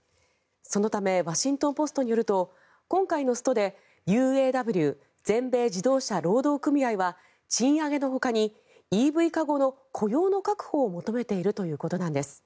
そのためワシントン・ポストによると今回のストでＵＡＷ・全米自動車労働組合は賃上げのほかにＥＶ化後の雇用の確保を求めているということなんです。